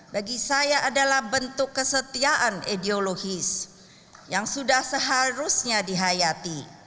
bagi saya adalah bentuk kesetiaan ideologis yang sudah seharusnya dihayati